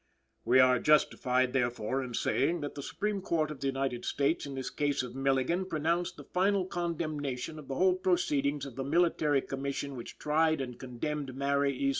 We are justified, therefore, in saying, that the Supreme Court of the United States, in this case of Milligan, pronounced the final condemnation of the whole proceedings of the Military Commission which tried and condemned Mary E.